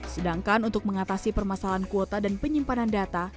sedangkan untuk mengatasi permasalahan kuota dan penyimpanan data